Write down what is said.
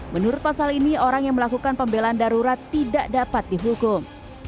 menurut pasal ini orang yang melakukan pembelaan darurat tidak dapat dihukum